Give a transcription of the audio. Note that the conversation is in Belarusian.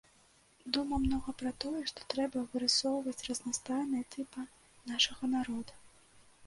Думаў многа пра тое, што трэба вырысоўваць разнастайныя тыпы нашага народа.